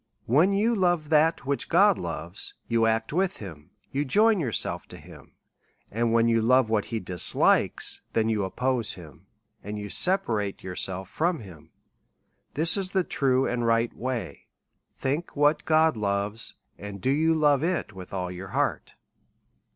When you love that which God loves, you act with him, you join yourself to him ; and when you love what he dislikes, then you oppose him, and separate yourself from him. This is the true and the right way : think what God loves, and do you love it with all your heart.